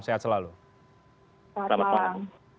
sehat selalu selamat malam